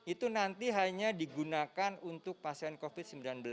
itu nanti hanya digunakan untuk pasien covid sembilan belas